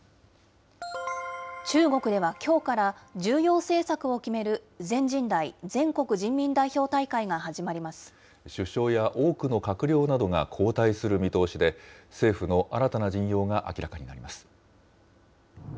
中国ではきょうから重要政策を決める全人代・全国人民代表大首相や多くの閣僚などが交代する見通しで、政府の新たな陣容が明らかになります。